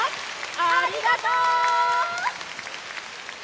ありがとう！